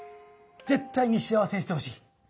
ぜっ対に幸せにしてほしい。